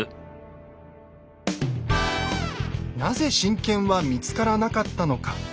なぜ神剣は見つからなかったのか。